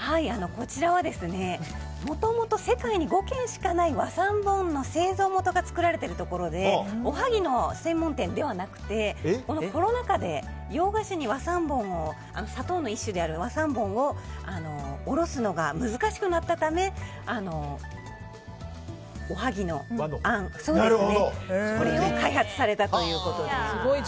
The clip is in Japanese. こちらはもともと世界に５軒しかない和三盆の製造元が作られてるところでおはぎの専門店ではなくてこのコロナ禍で、洋菓子に砂糖の一種である和三盆を卸すのが難しくなったためおはぎのあんを開発されたということです。